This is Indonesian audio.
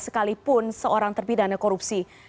sekalipun seorang terpidana korupsi